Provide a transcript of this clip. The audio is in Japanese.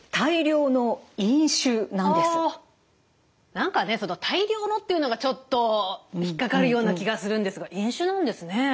何かね「大量の」っていうのがちょっと引っ掛かるような気がするんですが飲酒なんですねえ。